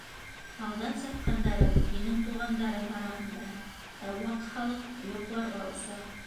Алдан сапҡандары — һинең туғандарың араһында, ә Ваҡ Халыҡ йоҡларға оса.